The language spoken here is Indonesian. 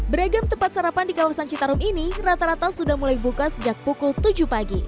beregem tempat sarapan di kawasan citarum ini rata rata sudah mulai buka sejak pukul tujuh pagi